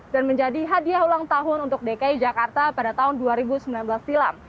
dan menjadi hadiah ulang tahun untuk dki jakarta pada tahun dua ribu sembilan belas silam